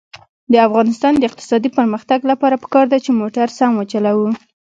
د افغانستان د اقتصادي پرمختګ لپاره پکار ده چې موټر سم وچلوو.